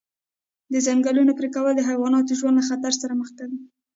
د ځنګلونو پرېکول د حیواناتو ژوند له خطر سره مخ کوي.